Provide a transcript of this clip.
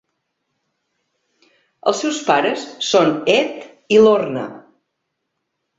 Els seus pares són Ed i Lorna.